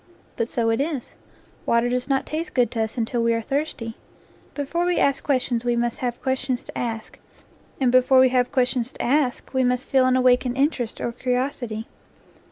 But so it is. Water does not taste good to us until we are thirsty. Before we ask questions we must have questions to ask, and be fore we have questions to ask we must feel an awak ened interest or curiosity.